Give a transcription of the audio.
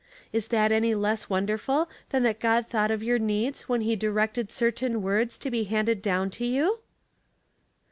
Is that any less wonderful than that God thought of your .leeds when he directed certain words to be handed down to you?"